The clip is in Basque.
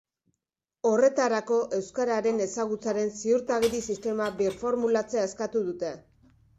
Horretarako, euskararen ezagutzaren ziurtagiri sistema birformulatzea eskatu dute.